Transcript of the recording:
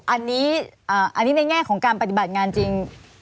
อันนี้ในแง่ของการบรรทำการจริง